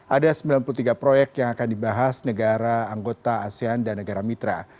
ada sembilan puluh tiga proyek yang akan dibahas negara anggota asean dan negara mitra